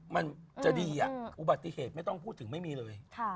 มันจะดีอุบัติเหตุไม่ต้องพูดถึงไม่มีเลย